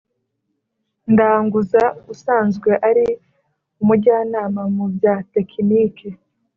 ndanguza usanzwe ari umujyanama mu bya tekinike